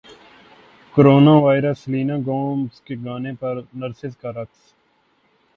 corona virus Selena Gomez کے گانے پر نرسز کا رقص